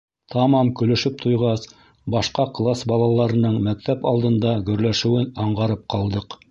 Тамам көлөшөп туйғас, башҡа класс балаларының мәктәп алдында геүләшеүен аңғарып ҡалдыҡ.